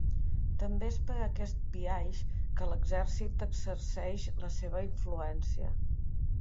També és per aquest biaix que l'exèrcit exerceix la seva influència.